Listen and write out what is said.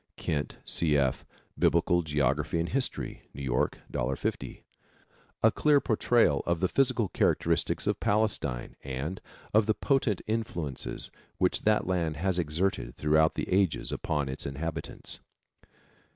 Kent, C. F., Biblical Geography and History. New York, $1.50. A clear portrayal of the physical characteristics of Palestine and of the potent influences which that land has exerted throughout the ages upon its inhabitants.